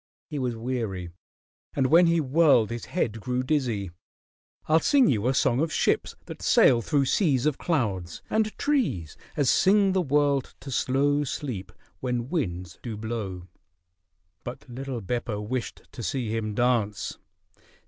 He was weary, and when he whirled his head grew dizzy. "I'll sing you a song of ships that sail through seas of clouds; and trees as sing the world to slow sleep when winds do blow." But little Beppo wished to see him dance.